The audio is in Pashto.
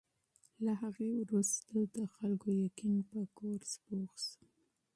له هغې وروسته د خلکو یقین په کورس پوخ شو.